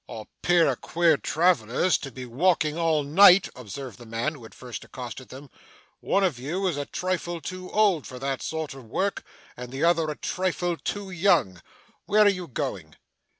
'A pair of queer travellers to be walking all night,' observed the man who had first accosted them. 'One of you is a trifle too old for that sort of work, and the other a trifle too young. Where are you going?